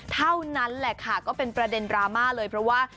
เท่านั้นแหละค่ะก็เป็นประเด็นดราม่าเลยเพราะว่า